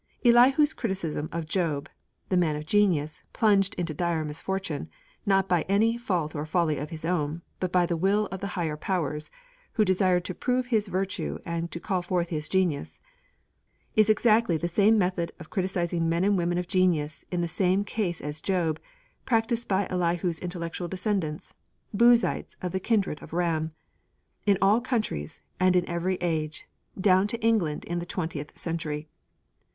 Elihu's criticism of Job (the man of genius, plunged into dire misfortune, not by any fault or folly of his own, but by the will of the Higher Powers, who desired to prove his virtue and to call forth his genius), is exactly the same method of criticising men and women of genius in the same case as Job, practised by Elihu's intellectual descendents, Buzites of the kindred of Ram, in all countries and in every age, down to England in the twentieth century.